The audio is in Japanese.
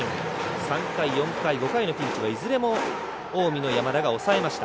３回、４回、５回のピンチはいずれも近江の山田が抑えました。